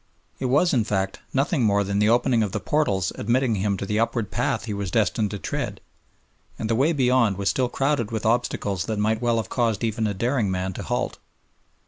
It was, in fact, nothing more than the opening of the portals admitting him to the upward path he was destined to tread, and the way beyond was still crowded with obstacles that might well have caused even a daring man to halt.